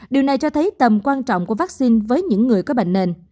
điều này cho thấy tầm quan trọng của vaccine với những người có bệnh nền